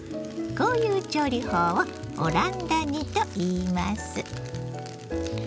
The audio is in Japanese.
こういう調理法をオランダ煮といいます。